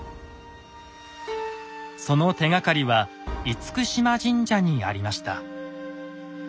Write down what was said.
その手がかりは嚴島神社にありました。